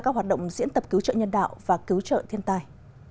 các hoạt động diễn tập cứu trợ nhân đạo và cứu trợ thiên tai